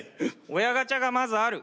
親ガチャがまずある。